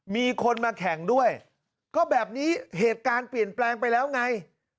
มีคนมาแข่งด้วยก็แบบนี้เหตุการณ์เปลี่ยนแปลงไปแล้วไง